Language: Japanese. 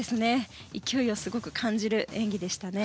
勢いをすごく感じる演技でしたね。